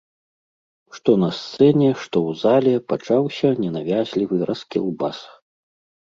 Што на сцэне, што ў зале пачаўся ненавязлівы раскілбас.